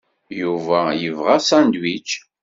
Yuba yebɣa asandwič.